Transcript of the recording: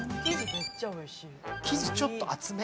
生地、ちょっと厚め。